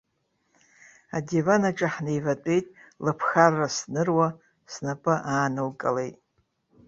Адиван аҿы ҳнеиватәеит, лыԥхарра сныруа, снапы аанылкылеит.